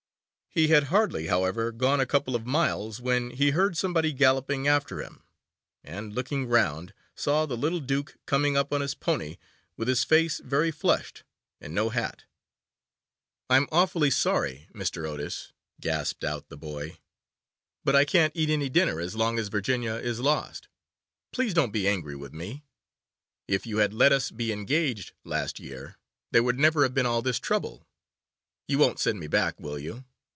He had hardly, however, gone a couple of miles when he heard somebody galloping after him, and, looking round, saw the little Duke coming up on his pony, with his face very flushed and no hat. 'I'm awfully sorry, Mr. Otis,' gasped out the boy, 'but I can't eat any dinner as long as Virginia is lost. Please, don't be angry with me; if you had let us be engaged last year, there would never have been all this trouble. You won't send me back, will you?